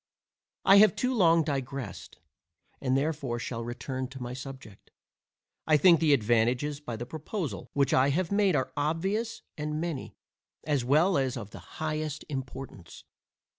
I have too long digressed, and therefore shall return to my subject. I think the advantages by the proposal which I have made are obvious and many, as well as of the highest importance.